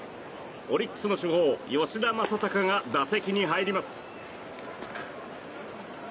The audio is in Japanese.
オリックスの主砲、吉田正尚が打席に入ります。